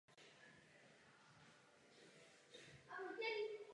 Takovému návrhu rozhodně říkám ne.